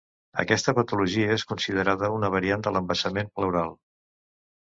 Aquesta patologia és considerada una variant de l'embassament pleural.